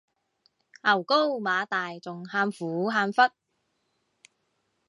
牛高馬大仲喊苦喊忽